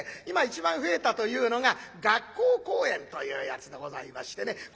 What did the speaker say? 今一番増えたというのが学校公演というやつでございましてね。